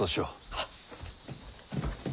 はっ。